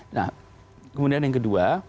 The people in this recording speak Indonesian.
nah kemudian yang kedua